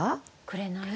「くれない」？